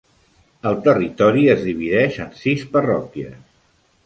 El territori es divideix en sis parròquies.